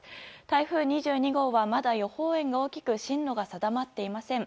台風２２号はまだ予報円が大きく進路が定まっていません。